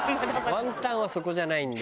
ワンタンはそこじゃないんですよ。